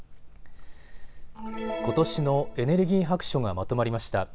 ことしのエネルギー白書がまとまりました。